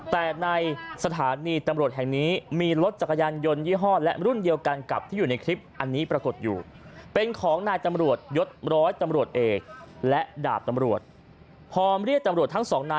แต่ในสถานีตำรวจแห่งนี้มีรถจักรยานยนต์ยี่ห้อ